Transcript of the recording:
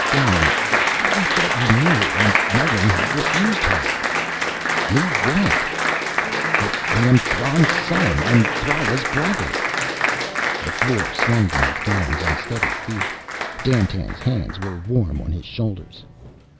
"Garin, we thought you knew and, knowing, had refused her." "Knew what?" "That I am Thran's son and Thrala's brother." The floor swung beneath Garin's unsteady feet. Dandtan's hands were warm on his shoulders.